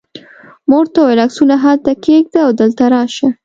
ما ورته وویل: عکسونه هلته کښېږده او دلته راشه.